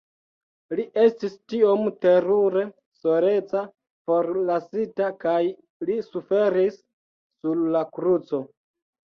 Li estis tiom terure soleca, forlasita kaj li suferis sur la kruco..